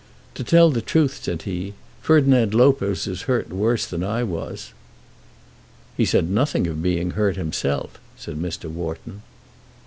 "To tell the truth," said he, "Ferdinand Lopez was hurt worse than I was." "He said nothing of being hurt himself," said Mr. Wharton.